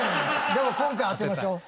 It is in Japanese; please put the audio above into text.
でも今回当てましょう。